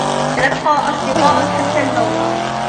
سنبقى أصدقاء حتى الموت